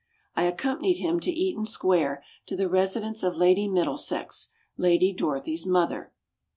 I accompanied him to Eaton Square to the residence of Lady Middlesex, Lady Dorothy's mother.